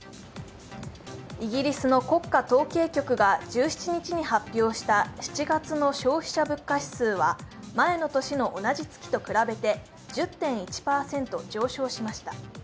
イギリスの国家統計局が１７日に発表した７月の消費者物価指数は前の年の同じ月と比べて１０．１％上昇しました。